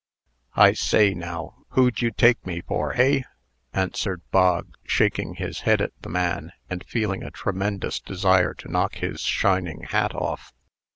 "I say, now, who'd you take me for, hey?" answered Bog, shaking his head at the man, and feeling a tremendous desire to knock his shining hat off.